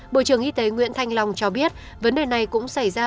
bộ trưởng y tế nguyễn thanh long cho biết vấn đề này cũng xảy ra